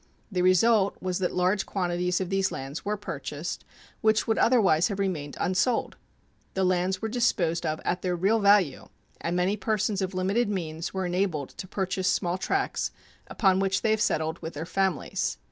The result was that large quantities of these lands were purchased which would otherwise have remained unsold. The lands were disposed of at their real value, and many persons of limited means were enabled to purchase small tracts, upon which they have settled with their families.